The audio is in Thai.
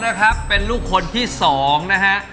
สองนะครับเป็นลูกคนที่สองนะครับ